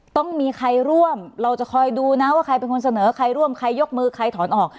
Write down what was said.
ต้องมีใครร่วมเราจะคอยดูนะว่าใครเป็นคนเสนอใครร่วมใครยกมือใครถอนออก